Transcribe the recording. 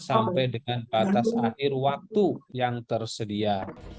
sampai dengan batas akhir waktu yang tersedia